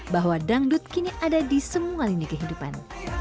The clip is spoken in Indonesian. bahwa dangdut kini ada di semua lini kehidupan